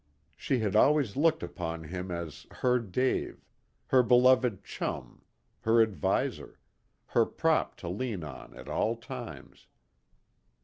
She had always looked upon him as "her Dave," her beloved "chum," her adviser, her prop to lean on at all times.